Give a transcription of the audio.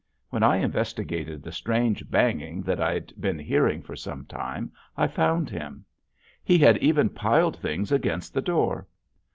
When I investigated the strange banging that I'd been hearing for some time, I found him. He had even piled things against the door.